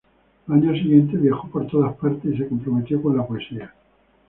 Los años siguientes viajó por todas partes y se comprometió con la poesía.